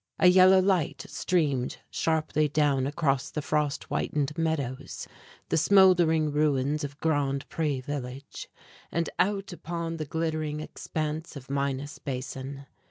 A yellow light streamed sharply down across the frost whitened meadows, the smouldering ruins of Grand Pré village, and out upon the glittering expanse of Minas Basin.